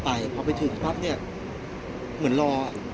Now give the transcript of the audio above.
ว่าการเกิดใจเด็กตายมันเป็นยังไง